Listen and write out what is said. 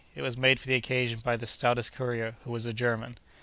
It was made for the occasion by the stoutest courier, who was a German.